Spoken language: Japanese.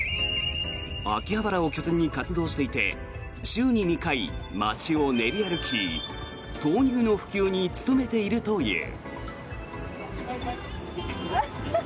秋葉原を拠点に活動していて週に２回、街を練り歩き豆乳の普及に努めているという。